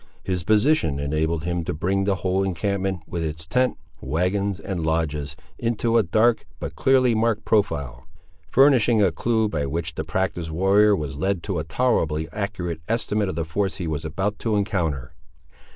His position enabled him to bring the whole encampment, with its tent, wagons, and lodges, into a dark but clearly marked profile; furnishing a clue by which the practised warrior was led to a tolerably accurate estimate of the force he was about to encounter.